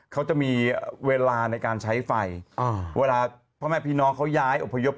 เค้าจะมีเวลาในการใช้ไฟเวลาพ่อแม่พี่น้องเค้าย้ายอุปโภค